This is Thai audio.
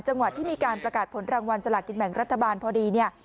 จังหวัดที่มีการประกาศผลรางวัลสลากินแบ่งรัฐบาลพอดีเนี่ย